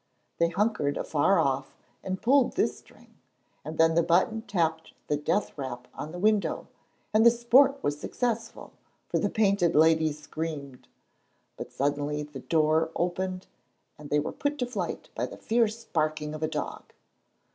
They hunkered afar off and pulled this string, and then the button tapped the death rap on the window, and the sport was successful, for the Painted Lady screamed. But suddenly the door opened and they were put to flight by the fierce barking of a dog.